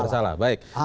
tak bersalah baik